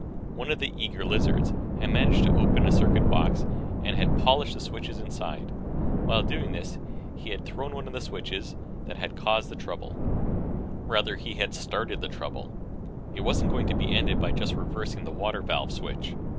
One of the eager lizards had managed to open a circuit box and had polished the switches inside. While doing this, he had thrown one of the switches and that had caused the trouble. Rather, that had started the trouble. It wasn't going to be ended by just reversing the water valve switch.